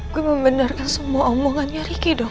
gue membenarkan semua omongannya ricky dong